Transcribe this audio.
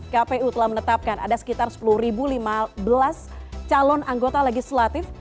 kpu telah menetapkan ada sekitar sepuluh lima belas calon anggota legislatif